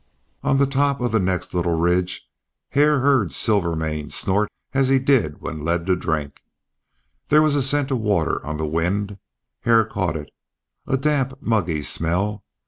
On the top of the next little ridge Hare heard Silvermane snort as he did when led to drink. There was a scent of water on the wind. Hare caught it, a damp, muggy smell.